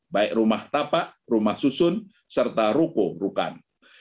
baik rumah tapak rumah susun serta ruko rukan